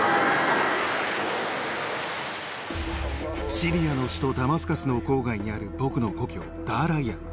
シリアの首都ダマスカスの郊外にある僕の故郷ダーライヤーは。